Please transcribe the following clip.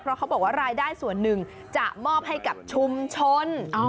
เพราะเขาบอกว่ารายได้ส่วนหนึ่งจะมอบให้กับชุมชน